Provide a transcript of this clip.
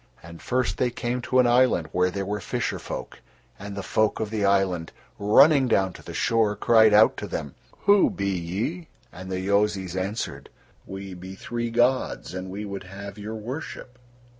And first they came to an island where were fisher folk; and the folk of the island, running down to the shore cried out to them: "Who be ye?" And the Yozis answered: "We be three gods, and we would have your worship."